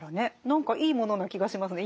何かいいものな気がしますね